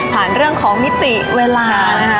เรื่องของมิติเวลานะคะ